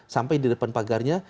sampai di depan pagarnya